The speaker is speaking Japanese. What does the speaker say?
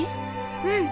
うん。